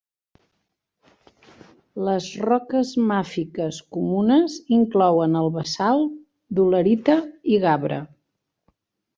Les roques màfiques comunes inclouen el basalt, dolerita i gabre.